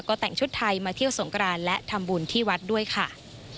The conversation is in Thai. ก็แต่งชุดไทยมาเที่ยวสงกรานและทำบุญที่วัดด้วยค่ะ